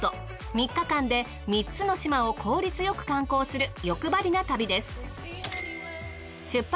３日間で３つの島を効率よく観光する欲張りな旅です。